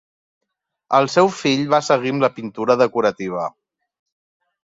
El seu fill va seguir amb la pintura decorativa.